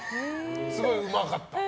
すごいうまかった。